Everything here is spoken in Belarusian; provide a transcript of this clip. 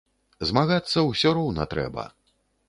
Змагацца ўсё роўна трэба.